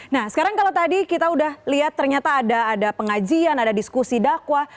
nah sekarang kalau tadi kita udah lihat ternyata ada pengajian ada diskusi dakwah